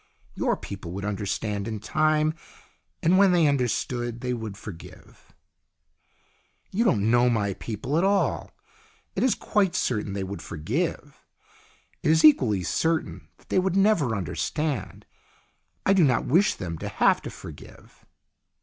" Your people would understand in time. And when they understood they would forgive." " You don't know my people at all. It is quite certain they would forgive. 1 1 is equally certain that they would never understand. I do not wish them to have to forgive."